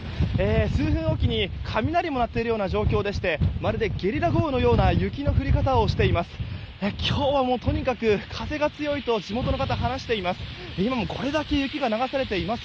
数分おきに雷も鳴っているような状況でしてまるでゲリラ豪雨のような雪の降り方をしています。